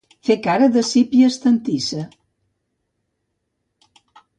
Fer cara de sípia estantissa.